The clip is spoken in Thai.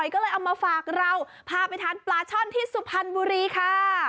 ก็เลยเอามาฝากเราพาไปทานปลาช่อนที่สุพรรณบุรีค่ะ